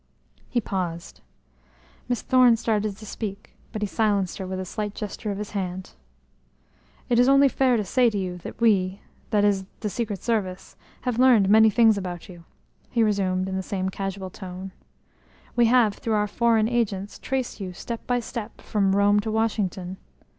He paused. Miss Thorne started to speak, but he silenced her with a slight gesture of his hand. "It is only fair to you to say that we that is, the Secret Service have learned many things about you," he resumed in the same casual tone. "We have, through our foreign agents, traced you step by step from Rome to Washington.